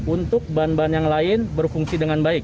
untuk ban ban yang lain berfungsi